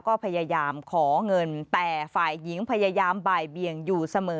ก็พยายามขอเงินแต่ฝ่ายหญิงพยายามบ่ายเบียงอยู่เสมอ